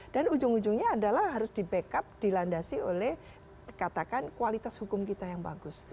dan ujung ujungnya adalah harus di backup dilandasi oleh katakan kualitas hukum kita yang bagus